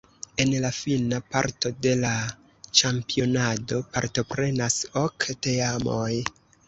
En la fina parto de la ĉampionado partoprenas ok teamoj.